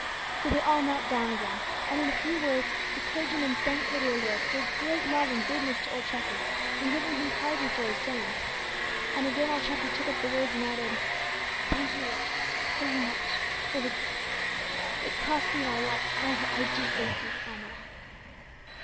So they all knelt down again, and in a few words the clergyman thanked the dear Lord for His great love and goodness to old Treffy, in giving him pardon for his sin. And again old Treffy took up the words and added: "Thank you, Lord Jesus, very much for the gift; it cost Thee Thy life; oh! I do thank Thee with all my heart."